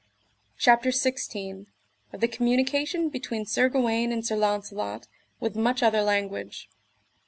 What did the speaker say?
CHAPTER XVI. Of the communication between Sir Gawaine and Sir Launcelot, with much other language.